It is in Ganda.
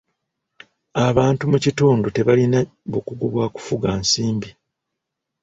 Abantu mu kitundu tebalina bukugu bwa kufuga nsimbi.